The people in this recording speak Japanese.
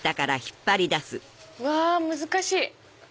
うわ難しい！